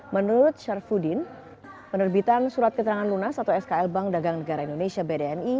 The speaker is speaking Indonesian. menurut syafuddin penerbitan surat keterangan lunas atau skl bank dagang negara indonesia bdni